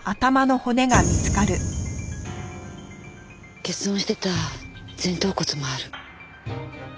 欠損してた前頭骨もある。